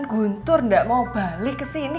guntur nggak mau balik kesini